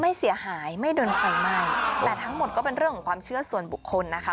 ไม่เสียหายไม่โดนไฟไหม้แต่ทั้งหมดก็เป็นเรื่องของความเชื่อส่วนบุคคลนะคะ